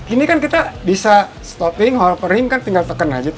ini kan kita bisa stopping hovering kan tinggal tekan aja tuh